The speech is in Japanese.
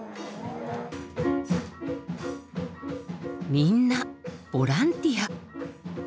みんなボランティア。